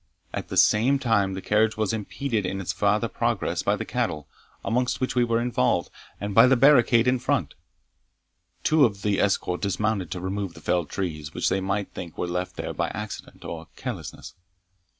At the same time the carriage was impeded in its farther progress by the cattle, amongst which we were involved, and by the barricade in front. Two of the escort dismounted to remove the felled trees, which they might think were left there by accident or carelessness.